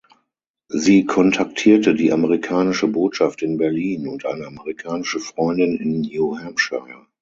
Sie kontaktierte die amerikanische Botschaft in Berlin und eine amerikanische Freundin in New Hampshire.